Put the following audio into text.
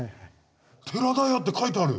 「寺田屋」って書いてある。